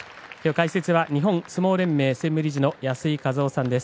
解説は日本相撲連盟専務理事の安井和男さんです。